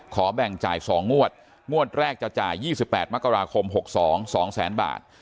ขอแบ่งจ่ายสองงวดงวดแรกจะจ่ายยี่สิบแปดมกราคมหกสองสองแสนบาท